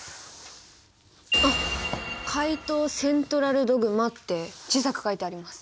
あっ「怪盗セントラルドグマ」って小さく書いてあります。